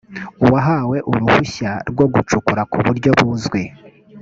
uwahawe uruhushya rwo gucukura ku buryo buzwi